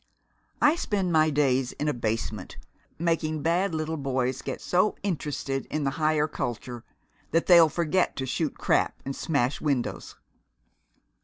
"I spend my days in a basement, making bad little boys get so interested in the Higher Culture that they'll forget to shoot crap and smash windows."